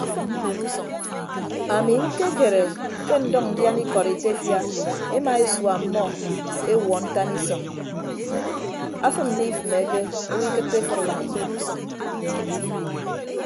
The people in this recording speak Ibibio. Ami ñkekere ke ndʌñ ndiana ikọd etefia ema esua ọmmọ ewuọ ntan isọñ afịm mmifịmeke owo ikịtte efʌd unen.